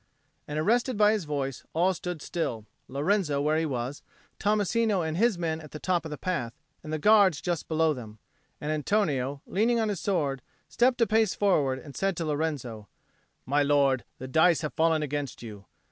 and arrested by his voice, all stood still, Lorenzo where he was, Tommasino and his men at the top of the path, and the Guards just below them. And Antonio, leaning on his sword, stepped a pace forward and said to Lorenzo, "My lord, the dice have fallen against you.